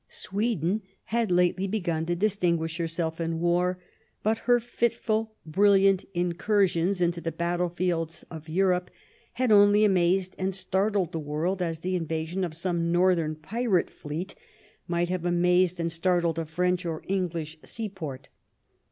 Sweden had lately begun to distinguish herself in war, but her fitful, brilliant incursions into the battle fields of Europe had only amazed and startled the world as the invasion of some Northern pirate fleet might have amazed and startled a French or English seaport.